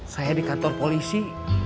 saya di kantor polisi